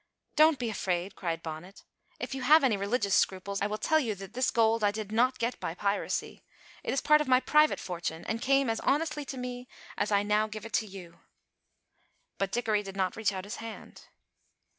"Don't be afraid," cried Bonnet. "If you have any religious scruples, I will tell you that this gold I did not get by piracy. It is part of my private fortune, and came as honestly to me as I now give it to you." But Dickory did not reach out his hand.